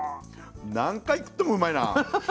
何回食ってもうまいな。